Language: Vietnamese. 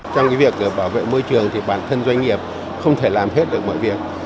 trong việc bảo vệ môi trường thì bản thân doanh nghiệp không thể làm hết được mọi việc